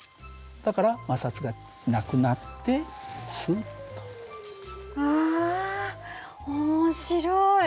だから摩擦がなくなってスッと。わ面白い。